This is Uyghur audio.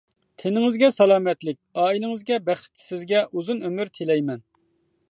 تېنىڭىزگە سالامەتلىك، ئائىلىڭىزگە بەخت، سىزگە ئۇزۇن ئۆمۈر تىلەيمەن.